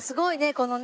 このね